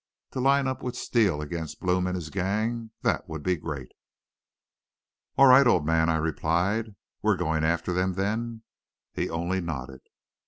To line up with Steele against Blome and his gang that would be great! "'All right, old man,' I replied. 'We're going after them, then?' "He only nodded.